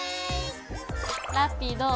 ラッピィどう？